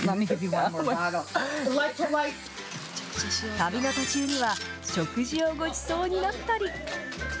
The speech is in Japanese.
旅の途中には、食事をごちそうになったり。